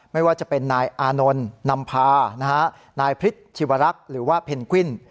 ไม่ว่าจะเป็นนายอานนท์นำพานายพฤษชีวรักษ์หรือว่าเพนกวิน